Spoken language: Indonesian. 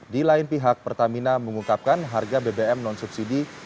di lain pihak pertamina mengungkapkan harga bbm non subsidi